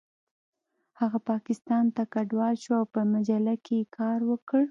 هغه پاکستان ته کډوال شو او په مجله کې یې کار وکړ